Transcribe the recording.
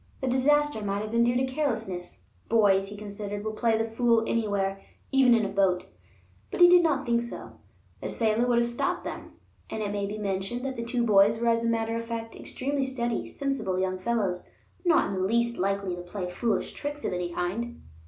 The disaster might have been due to carelessness; boys, he considered, will play the fool anywhere, even in a boat; but he did not think so; the sailor would have stopped them. And, it may be mentioned, that the two boys were as a matter of fact extremely steady, sensible young fellows, not in the least likely to play foolish tricks of any kind.